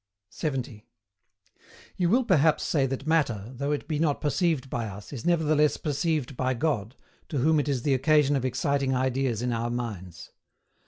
70. You will Perhaps say that Matter, though it be not perceived by us, is nevertheless perceived by God, to whom it is the occasion of exciting ideas in our minds.